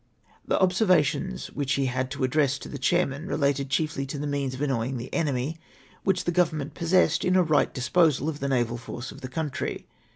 " The observations which he had to address to the chair man related chiefly to the means of annoying the enemy, which means the Grovernment possessed in a right disposal of the naval force of the country.